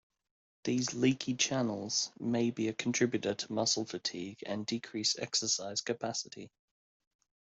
These "leaky" channels may be a contributor to muscle fatigue and decreased exercise capacity.